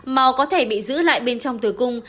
mà có thể bị giữ lại bên trong tử cung